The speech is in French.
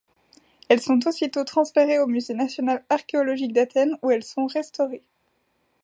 Elles sont aussitôt transférées au Musée national archéologique d'Athènes où elles sont restaurées.